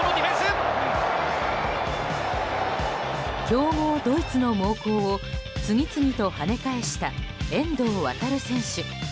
強豪ドイツの猛攻を次々と跳ね返した遠藤航選手。